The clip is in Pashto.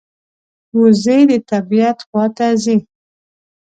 وزې د طبعیت خوا ته ځي